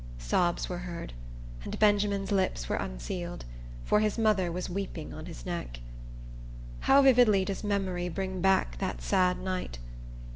Sobs were heard, and Benjamin's lips were unsealed; for his mother was weeping on his neck. How vividly does memory bring back that sad night!